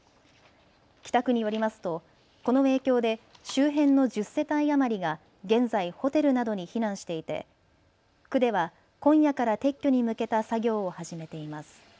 北区によりますとこの影響で周辺の１０世帯余りが現在、ホテルなどに避難していて区では今夜から撤去に向けた作業を始めています。